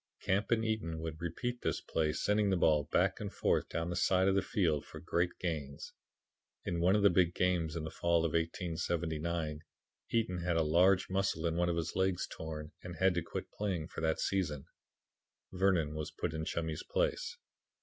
Camp and Eaton would repeat this play, sending the ball back and forth down the side of the field for great gains. "In one of the big games in the fall of 1879, Eaton had a large muscle in one of his legs torn and had to quit playing for that season." Vernon was put in Chummy's place.